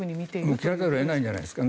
切らざるを得ないんじゃないですかね。